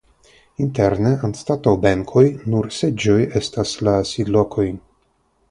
Interne anstataŭ benkoj nur seĝoj estas la sidlokoj.